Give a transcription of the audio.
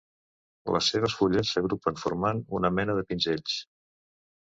Les seves fulles s'agrupen formant una mena de pinzells.